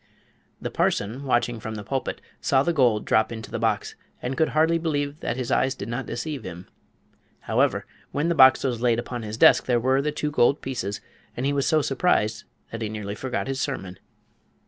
The parson, watching from the pulpit, saw the gold drop into the box, and could hardly believe that his eyes did not deceive him. However, when the box was laid upon his desk there were the two gold pieces, and he was so surprised that he nearly forgot his sermon.